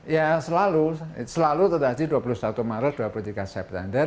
ya selalu selalu terjadi dua puluh satu maret dua puluh tiga september